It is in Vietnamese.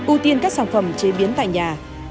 ưu tiên các sản phẩm chế biến tại nhà